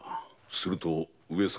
すると上様。